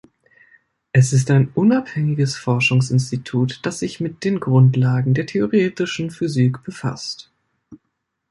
Es ist ein unabhängiges Forschungsinstitut, das sich mit den Grundlagen der Theoretischen Physik befasst.